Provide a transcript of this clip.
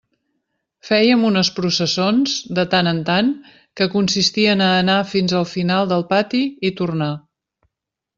Fèiem unes processons, de tant en tant, que consistien a anar fins al final del pati i tornar.